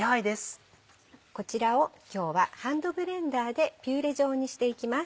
こちらを今日はハンドブレンダーでピューレ状にしていきます。